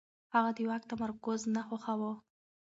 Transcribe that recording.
هغه د واک تمرکز نه خوښاوه.